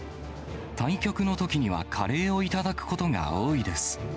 対局のときにはカレーを頂くことが多いです。